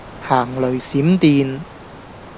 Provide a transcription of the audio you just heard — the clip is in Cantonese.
行雷閃電